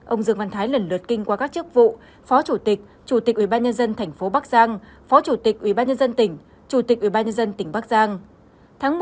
ông dương văn thái lần lượt kinh qua các chức vụ phó chủ tịch chủ tịch ủy ban nhân dân tp bắc giang phó chủ tịch ủy ban nhân dân tỉnh chủ tịch ủy ban nhân dân tỉnh bắc giang